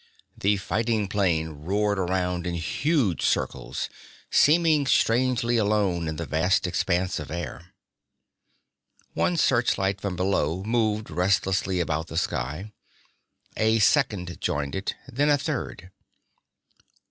The fighting plane roared around in huge circles, seeming strangely alone in the vast expanse of air. One searchlight from below moved restlessly about the sky. A second joined it, then a third.